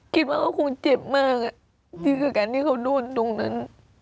คิดว่าเขาคงเจ็บมากที่สุดการที่เขานู่นตรงนั้น